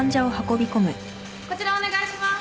こちらお願いします。